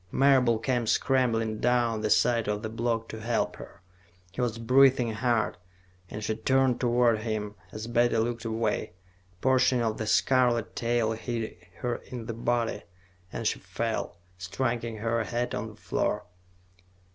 Marable came scrambling down the side of the block to help her. He was breathing hard, and she turned toward him; as Betty looked away, a portion of the scarlet tail hit her in the body and she fell, striking her head on the floor.